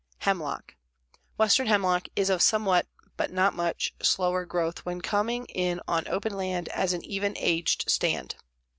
HEMLOCK Western hemlock is of somewhat, but not much, slower growth when coming in on open land as an even aged stand.